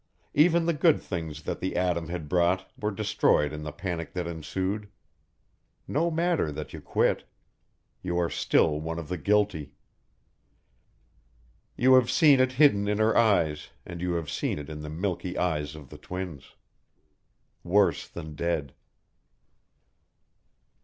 Even the good things that the atom had brought were destroyed in the panic that ensued. No matter that you quit. You are still one of the guilty. You have seen it hidden in her eyes and you have seen it in the milky eyes of the twins. _Worse than dead.